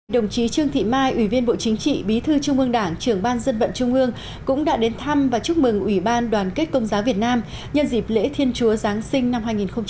đồng chí trương thị mai ủy viên bộ chính trị bí thư trung ương đảng trưởng ban dân vận trung ương cũng đã đến thăm và chúc mừng ủy ban đoàn kết công giáo việt nam nhân dịp lễ thiên chúa giáng sinh năm hai nghìn một mươi chín